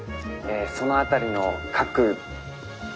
その辺りの角度ん？